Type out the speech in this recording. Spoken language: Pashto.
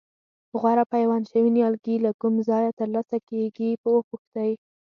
غوره پیوند شوي نیالګي له کوم ځایه ترلاسه کېږي وپوښتئ.